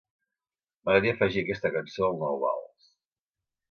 M'agradaria afegir aquesta cançó al nou vals.